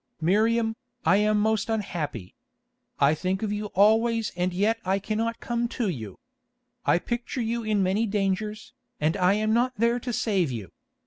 "Miriam, I am most unhappy. I think of you always and yet I cannot come to you. I picture you in many dangers, and I am not there to save you.